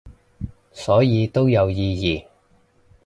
所以都有意義